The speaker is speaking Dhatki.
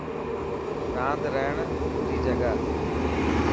راند رهڻ ري جڳهه.